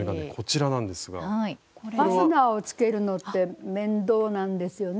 ファスナーをつけるのって面倒なんですよね